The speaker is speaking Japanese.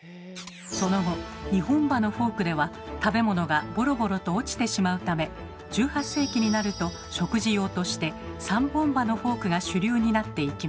その後２本歯のフォークでは食べ物がボロボロと落ちてしまうため１８世紀になると食事用として３本歯のフォークが主流になっていきました。